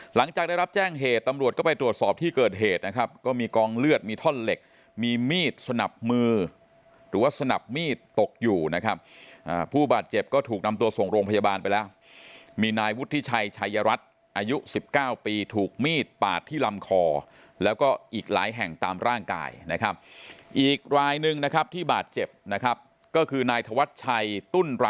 หลังจากได้รับแจ้งเหตุตำรวจก็ไปตรวจสอบที่เกิดเหตุนะครับก็มีกองเลือดมีท่อนเหล็กมีมีดสนับมือหรือว่าสนับมีดตกอยู่นะครับผู้บาดเจ็บก็ถูกนำตัวส่งโรงพยาบาลไปแล้วมีนายวุฒิชัยชัยรัฐอายุ๑๙ปีถูกมีดปาดที่ลำคอแล้วก็อีกหลายแห่งตามร่างกายนะครับอีกรายหนึ่งนะครับที่บาดเจ็บนะครับก็คือนายธวัชชัยตุ้นร